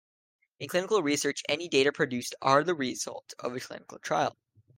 In clinical research any data produced are the result of a clinical trial.